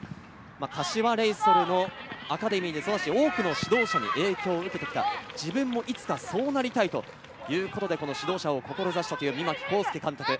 柏レイソルのアカデミーで多くの指導者に影響を受けてきた、自分もいつかそうなりたいということで指導者を志したという御牧考介監督。